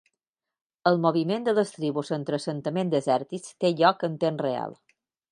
El moviment de les tribus entre assentaments desèrtics té lloc en temps real.